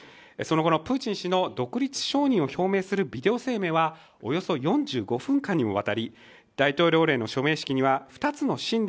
その後のプーチン氏の独立承認を表明するビデオ声明はおよそ４５分間にもわたり大統領令の署名式には２つの親